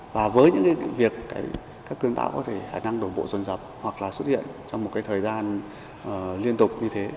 và với những việc các cơn bão có thể khả năng đổ bộ rồn dập hoặc là xuất hiện trong một thời gian liên tục như thế